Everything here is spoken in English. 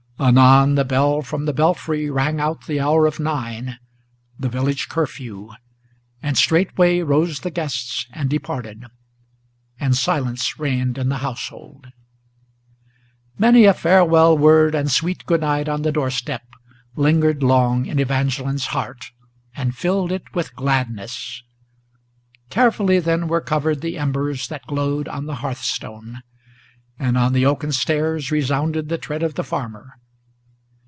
Anon the bell from the belfry Rang out the hour of nine, the village curfew, and straightway Rose the guests and departed; and silence reigned in the household. Many a farewell word and sweet good night on the door step Lingered long in Evangeline's heart, and filled it with gladness. Carefully then were covered the embers that glowed on the hearth stone; And on the oaken stairs resounded the tread of the farmer.